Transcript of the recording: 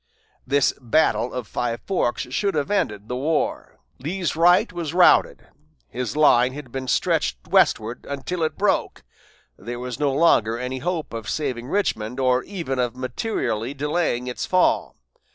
This battle of Five Forks should have ended the war. Lee's right was routed; his line had been stretched westward until it broke; there was no longer any hope of saving Richmond, or even of materially delaying its fall.